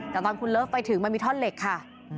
แต่ตอนคุณเลิฟไปถึงมันมีท่อนเหล็กค่ะ